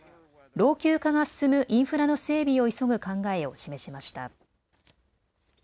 老朽化が進むインフラの整備を急ぐ考えを示しました。